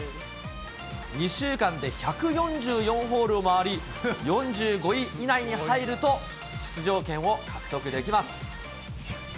２週間で１４４ホールを回り、４５位以内に入ると、出場権を獲得できます。